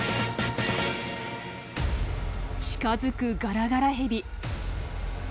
近づくガラガラヘビ。